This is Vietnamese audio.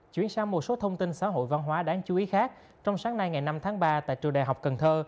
chuyển sang một số thông tin xã hội văn hóa đáng chú ý khác trong sáng nay ngày năm tháng ba tại trường đại học cần thơ